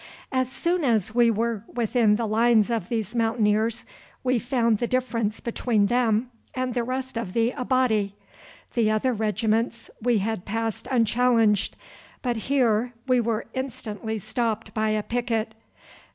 As soon as we were within the lines of these Mountaineers we found the difference between them and the rest of the Abati. The other regiments we had passed unchallenged, but here we were instantly stopped by a picket.